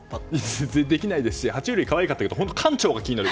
全然できないですし爬虫類は可愛かったですけど本当に館長が気になる。